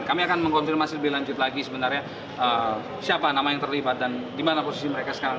kami akan mengkonfirmasi lebih lanjut lagi sebenarnya siapa nama yang terlibat dan di mana posisi mereka sekarang